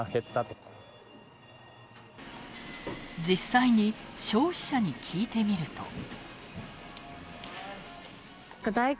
実際に消費者に聞いてみると。